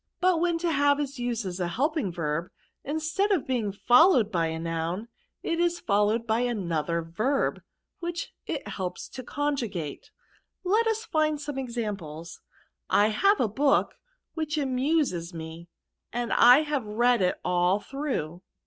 But when to have is used as a helping verb, instead of being fol lowed by a noun, it is followed by another v^rft, which it helps to conjugate. Let us find some examples* I have a book which amuses me, and I have read it all through."